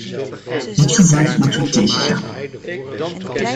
Dit gevoel moeten we tegengaan.